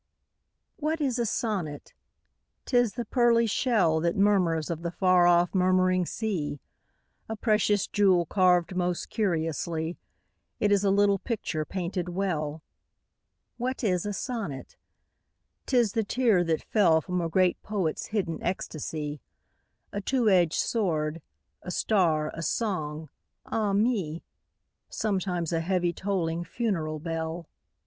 What is a sonnet ? T is the pearly shell That mormnrs of the f ar o£P murmuring sea ; A precious jewel carved most curiously ; It is a little picture painted well. What is a sonnet ? 'T is the tear that fell From a great poet's hidden ecstasy ; A two edged sword, a star, a song — ah me I Sometimes a heavy tolling funeral bell.